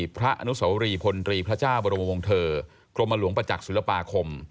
พระอนุสวรีพลตรีพระเจ้าบรมวงเทอร์กรมหลวงประจักษ์ศิลปาคม